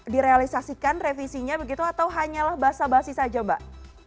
direalisasikan revisinya begitu atau hanyalah bahasa bahasi saja mbak